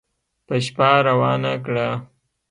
په شپه روانه کړه